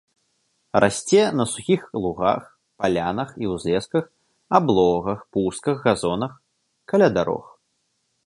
Расце на сухіх лугах, палянах і ўзлесках, аблогах, пустках, газонах, каля дарог.